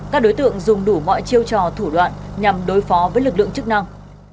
các đối tượng dùng đủ mọi chiêu trò thủ đoạn nhằm đối phó với lực lượng chức năng